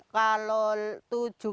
kalau tujuh lima kg